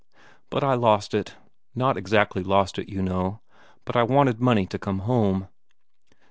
But I lost it. Not exactly lost it, you know, but I wanted money to come home."